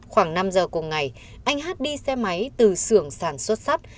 khoảng năm h cùng ngày anh hát đi xe máy từ xưởng sản xuất sắp